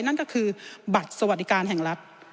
นั่นก็คือบัตรสวัสดิการแห่งรัฐ